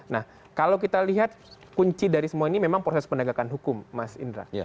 nah kalau kita lihat kunci dari semua ini memang proses penegakan hukum mas indra